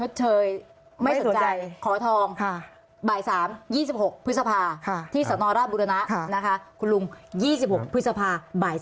เดี๋ยวต้องไปด้วยกันนะคะ